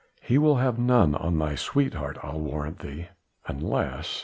"He will have none on thy sweetheart, I'll warrant thee unless...."